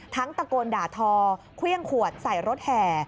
ตะโกนด่าทอเครื่องขวดใส่รถแห่